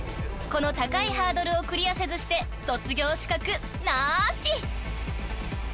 ［この高いハードルをクリアせずして卒業資格なし！］